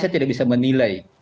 saya tidak bisa menilai